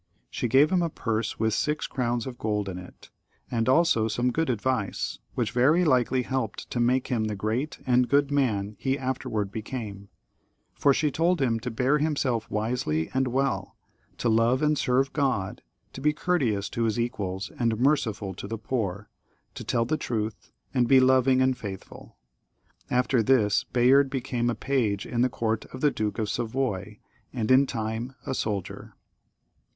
She gave him a purse with six crowns of gold in it, and also gome good advice, which very likely helped to make him the great and good man he afterwards became ; for she told him to bear himself wisely and well, to Ipve and serve God, to be courteous to his equals ai^d merciful to the poor, to teU the truth, and be loying and 1»4 LOUIS XIL [CH. faithfuL After this Bayard became a page in the court of the Duke of Savoy, and in time a soldier.